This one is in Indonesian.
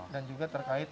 dan juga terkait